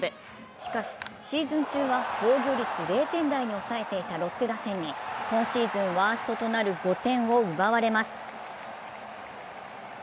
しかし、シーズン中は防御率０点台に抑えていたロッテ打線に今シーズンワーストとなる５点を奪われます。